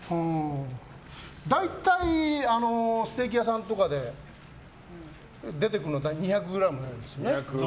大体、ステーキ屋さんとかで出てくるのは２００ｇですよね。